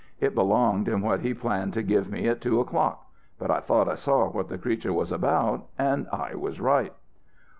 It belonged in what he planned to give me at two o'clock. But I thought I saw what the creature was about. And I was right."